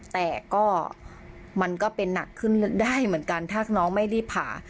แต่ก็มันก็เป็นหนักขึ้นได้เหมือนกันถ้าน้องไม่รีบผ่า